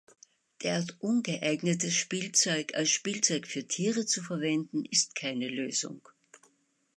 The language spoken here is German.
Derart ungeeignetes Spielzeug als Spielzeug für Tiere zu verwenden, ist keine Lösung.